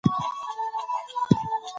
که لار سمه وي نو موټر نه چپه کیږي.